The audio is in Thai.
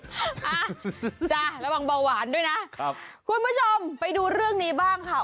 อ่ะจ้ะระวังเบาหวานด้วยนะครับคุณผู้ชมไปดูเรื่องนี้บ้างค่ะ